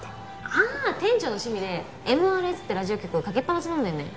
ああ店長の趣味でＭＲＳってラジオ局をかけっぱなしなんだよね。